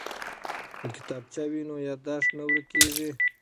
که کتابچه وي نو یادښت نه ورکیږي.